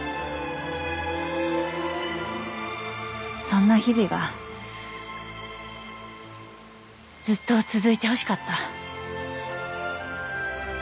そんな日々がずっと続いてほしかった。